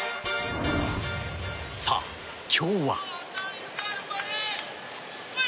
さあ、今日は。